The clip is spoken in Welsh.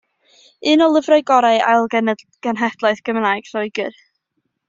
Un o lyfrau gorau ail genhedlaeth Gymraeg Lloegr.